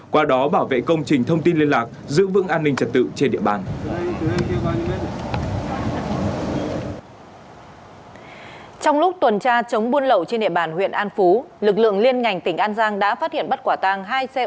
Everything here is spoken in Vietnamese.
qua đó bảo vệ công trình thông tin liên lạc giữ vững an ninh trật tự trên địa bàn